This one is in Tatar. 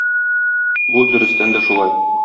Бу дөрестән дә шулай.